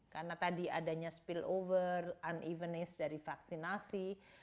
karena tadi adanya spillover unevenness dari vaksinasi